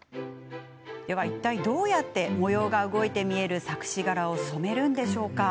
いったい、どうやって模様が動いて見える錯視柄を染めるんでしょう。